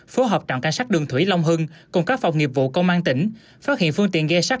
phối hợp trạm cảnh sát đường thủy long hưng cùng các phòng nghiệp vụ công an tỉnh phát hiện phương tiện ghe sắt